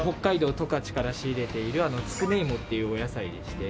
十勝から仕入れているつくねいもというお野菜でして。